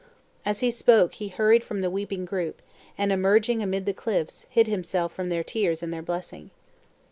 As he spoke he hurried from the weeping group, and emerging amid the cliffs, hid himself from their tears and their blessing.